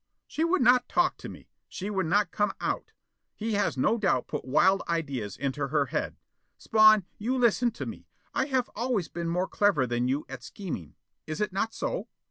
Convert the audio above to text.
"She would not talk to me. She would not come out. He has no doubt put wild ideas into her head. Spawn, you listen to me. I have always been more clever than you at scheming. Is it not so?